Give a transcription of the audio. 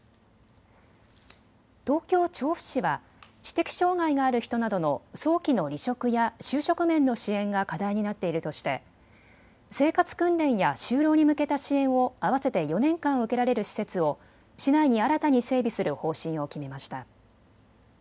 東京調布市は知的障害がある人などの早期の離職や就職面の支援が課題になっているとして生活訓練や就労に向けた支援を合わせて４年間受けられる施設を市内に新たに整備する方針を決めました。